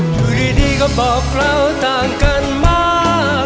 อยู่ดีก็บอกเราต่างกันมาก